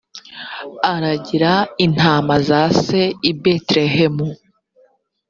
aragira intama za se i betelehemu